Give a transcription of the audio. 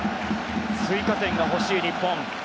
追加点が欲しい日本。